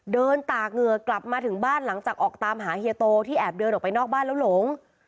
ตากเหงื่อกลับมาถึงบ้านหลังจากออกตามหาเฮียโตที่แอบเดินออกไปนอกบ้านแล้วหลง